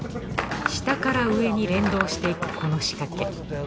下から上に連動していくこの仕掛け。